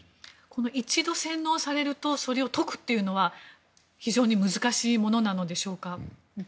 一度、洗脳されるとそれを解くというのは非常に難しいものなのでしょうか。